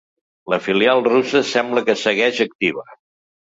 La filial russa sembla que segueix activa.